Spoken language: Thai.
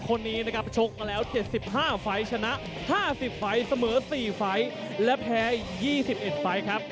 คนนี้นะครับชกมาแล้ว๗๕ไฟล์ชนะ๕๐ไฟล์เสมอ๔ไฟล์และแพ้๒๑ไฟล์ครับ